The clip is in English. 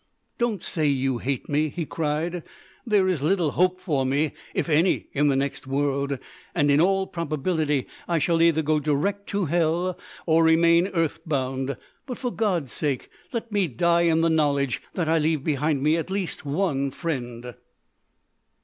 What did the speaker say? "Don't say you hate me," he cried. "There is little hope for me, if any, in the next world; and in all probability I shall either go direct to hell or remain earthbound; but, for God's sake, let me die in the knowledge that I leave behind me at least one friend!"